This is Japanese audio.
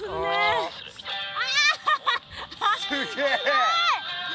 すごい！